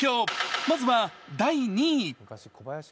まずは、第２位。